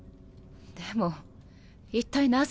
でも一体なぜ？